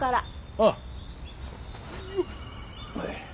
ああ。